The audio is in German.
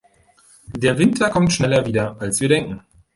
Der Winter kommt schneller wieder, als wir denken.